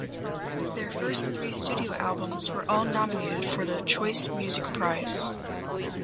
Their first three studio albums were all nominated for the Choice Music Prize.